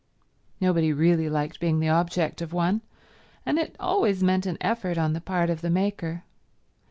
Nobody really liked being the object of one, and it always meant an effort on the part of the maker.